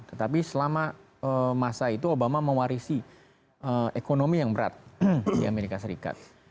tetapi selama masa itu obama mewarisi ekonomi yang berat di amerika serikat